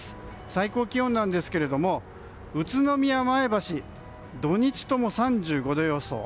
最高気温なんですが宇都宮、前橋土日共３５度予想。